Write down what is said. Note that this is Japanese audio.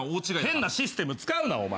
変なシステム使うなお前。